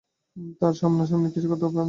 তারা সামনাসামনি কিছু করতে পারে না।